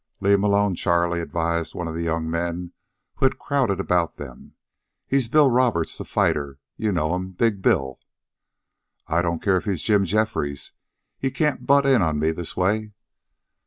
"Leave 'm alone, Charley," advised one of the young men who had crowded about them. "He's Bill Roberts, the fighter. You know'm. Big Bill." "I don't care if he's Jim Jeffries. He can't butt in on me this way."